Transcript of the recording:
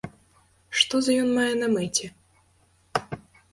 Што за ён мае на мэце?